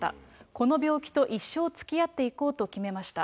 この病気と一生つきあっていこうと決めました。